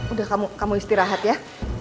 udah kamu istirahat ya